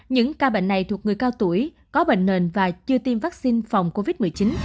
những ca bệnh này thuộc người cao tuổi có bệnh nền và chưa tiêm vaccine phòng covid một mươi chín